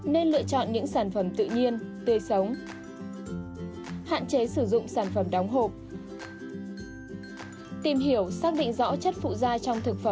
nên lựa chọn những sản phẩm tự nhiên tươi sống